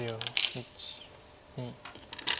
１２。